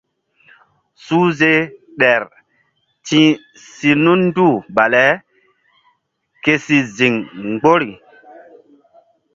Suhze ɗer ti̧h si nunduh bale ke si ziŋ mgbori.